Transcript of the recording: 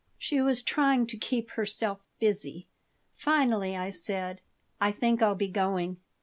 She was trying to keep herself busy. Finally I said: "I think I'll be going.